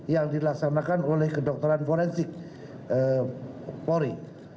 yang dilaksanakan oleh kedokteran forensik polri